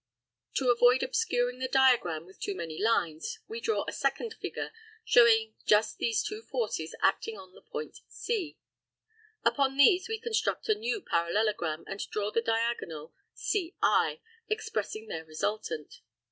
To avoid obscuring the diagram with too many lines, we draw a second figure, showing just these two forces acting on the point C. Upon these we construct a new parallelogram, and draw the diagonal CI, expressing their resultant.